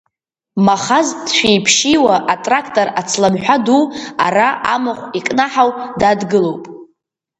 Махаз дшәи-ԥшьиуа атрактор ацламҳәа ду ара амахә икнаҳау дадгылоуп…